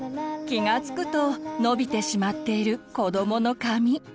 気がつくと伸びてしまっている子どもの髪。